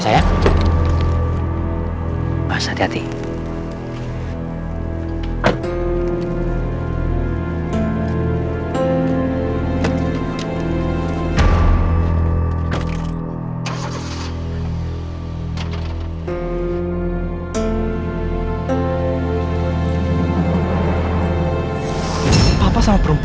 ya udah deh kau percaya sama aku